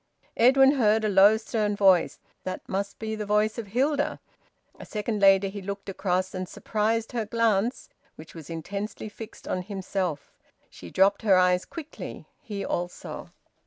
Edwin heard a low, stern voice. That must be the voice of Hilda. A second later, he looked across, and surprised her glance, which was intensely fixed on himself. She dropped her eyes quickly; he also.